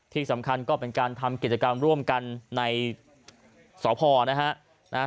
ที่สำคัญก็เป็นการทำกิจกรรมร่วมกันในสพนะฮะ